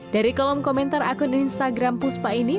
dari kolom komentar akun instagram puspa ini